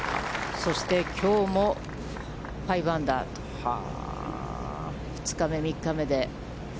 そして、きょうも５アンダーと、２日目、３日目で。